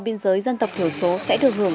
biên giới dân tộc thiểu số sẽ được hưởng